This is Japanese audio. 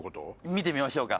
見てみましょうか。